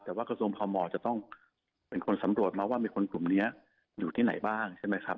แต่ว่ากระทรวงพมจะต้องเป็นคนสำรวจมาว่ามีคนกลุ่มนี้อยู่ที่ไหนบ้างใช่ไหมครับ